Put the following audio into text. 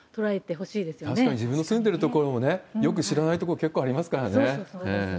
確かに自分の住んでる所も、よく知らないところ、結構ありまそうですね。